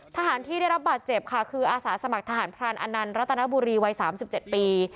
ทหารที่ได้รับบาดเจ็บค่ะคืออาสาสมัครทหารพรานอนันต์รัตนบุรีวัย๓๗ปี